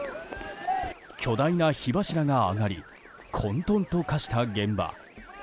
巨大な火柱が上がり混沌と化した現場。